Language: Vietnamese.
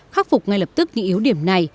khắc phục ngay lập tức những yếu điểm này